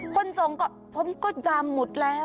คนส่งก็ผมก็จำหมดแล้ว